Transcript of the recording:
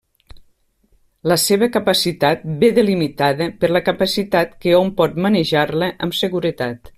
La seva capacitat ve delimitada per la capacitat que hom pot manejar-la amb seguretat.